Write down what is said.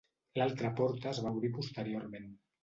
L'altra porta es va obrir posteriorment.